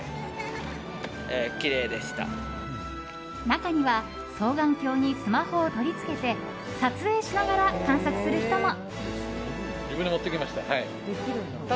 中には、双眼鏡にスマホを取り付けて撮影しながら観察する人も。